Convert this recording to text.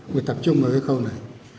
mình tập trung vào cái khâu này